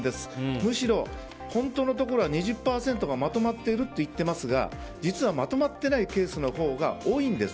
むしろ、本当のところは２０％がまとまっていると言っていますが実はまとまってないケースのほうが多いんです。